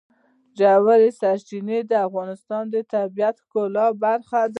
ژورې سرچینې د افغانستان د طبیعت د ښکلا برخه ده.